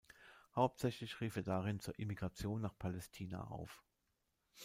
Hauptsächlich rief er darin zur Immigration nach Palästina auf.